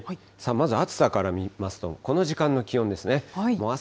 まず暑さから見ますと、この時間の気温ですね。